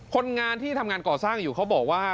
คนงานที่ทำงานก่อสร้างอยู่เขาบอกว่า